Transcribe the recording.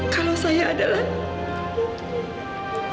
kalau saya adalah